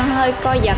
hơi co giật